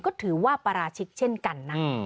ก็ถือว่าปราชิกเช่นกันนะ